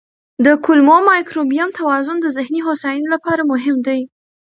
د کولمو مایکروبیوم توازن د ذهني هوساینې لپاره مهم دی.